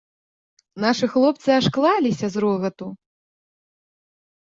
Нашы хлопцы аж клаліся з рогату.